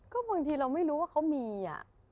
ก็บางทีเราไม่รู้ว่าเขามี